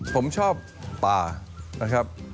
ผมชอบป่านะครับ